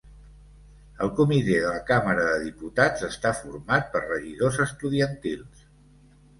El comitè de la Càmara de Diputats està format per regidors estudiantils.